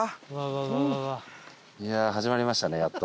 いやあ始まりましたねやっと。